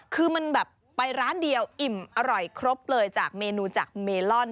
คือมันแบบไปร้านเดียวอิ่มอร่อยครบเลยจากเมนูจากเมลอน